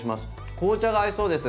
紅茶が合いそうです。